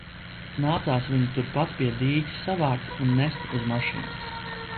Nācās viņu turpat pie dīķa savākt un nest uz mašīnu.